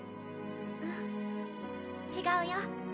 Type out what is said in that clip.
うん違うよ。